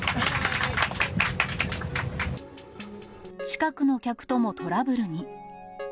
近くの客ともトラブルに。